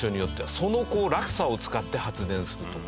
その落差を使って発電するとか。